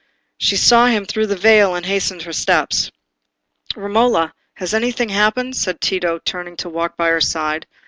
She saw him through her veil and hastened her steps. "Romola, has anything happened?" said Tito, turning to walk by her side.